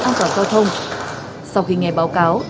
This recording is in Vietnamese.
an toàn giao thông sau khi nghe báo cáo